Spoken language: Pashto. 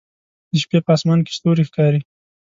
د شپې په اسمان کې ستوري ښکاري